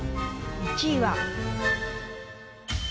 １位は。